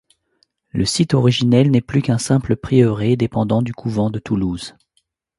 Le site originel n'est plus qu'un simple prieuré dépendant du couvent de Toulouse.